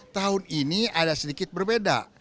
tahun ini ada sedikit berbeda